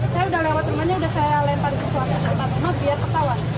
saya udah lewat rumahnya udah saya lempar ke suara